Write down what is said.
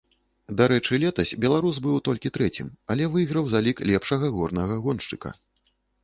Дарэчы, летась беларус быў толькі трэцім, але выйграў залік лепшага горнага гоншчыка.